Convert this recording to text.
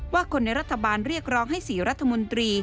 คนในรัฐบาลเรียกร้องให้๔รัฐมนตรี